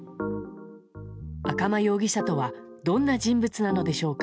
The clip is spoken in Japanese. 赤間容疑者とはどんな人物なのでしょうか。